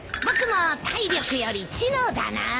僕も体力より知能だな。